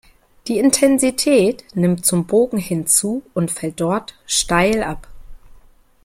Die Intensität nimmt zum Bogen hin zu und fällt dort steil ab.